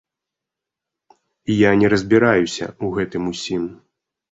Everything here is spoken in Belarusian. Я не разбіраюся ў гэтым усім.